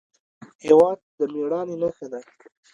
هېواد د مېړانې نښه ده.